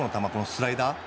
スライダー。